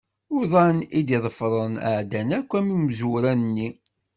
Uḍan i d-iḍefren ɛeddan akk am umezwaru-nni.